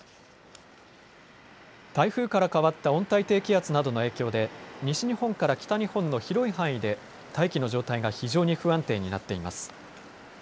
台風から変わった温帯低気圧などの影響で西日本から北日本の広い範囲で大気の状態が非常に不安定になっています。